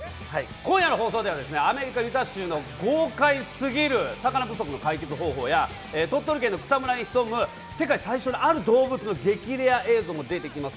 今夜はアメリカ・ユタ州の豪快すぎる魚不足の解決方法や、鳥取県の草むらに潜む世界最小のある動物の激レア映像も出てきます。